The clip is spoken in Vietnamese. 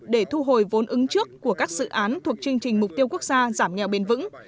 để thu hồi vốn ứng trước của các dự án thuộc chương trình mục tiêu quốc gia giảm nghèo bền vững